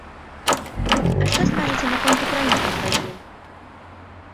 А што скажаце наконт украінскіх падзей?